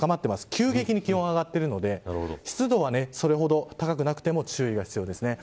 急激に気温が高まっているので湿度はそれほど高くなくても注意が必要です。